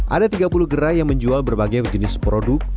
ada tiga puluh gerai yang menjual berbagai jenis produk